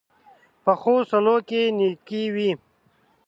پخو سلوکو کې نېکي وي